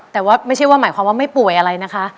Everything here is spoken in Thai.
แต่ว่าไม่ใช่ว่าหมายความว่าไม่ป่วยอะไรนะคะ